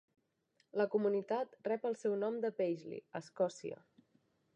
La comunitat rep el seu nom de Paisley, a Escòcia.